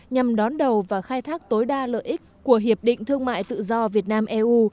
nhằm đón đầu và khai thác tối đa lợi ích của hiệp định thương mại tự do việt nam eu